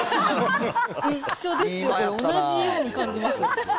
一緒ですね、同じように感じます。